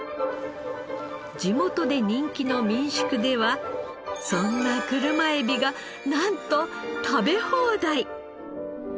地元で人気の民宿ではそんな車エビがなんと食べ放題！